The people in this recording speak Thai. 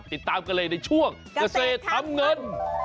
ติดตามกันเลยในช่วงเกษตรทำเงิน